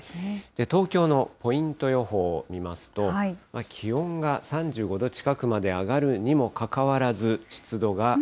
東京のポイント予報を見ますと、気温が３５度近くまで上がるにもかかわらず、湿度が。